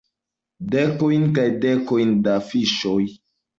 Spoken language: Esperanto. Dekojn kaj dekojn da fiŝoj.